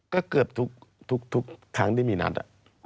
ก็เกือบทุกครั้งที่มีนัด